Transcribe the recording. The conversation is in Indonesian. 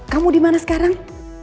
kamu dimana sekarang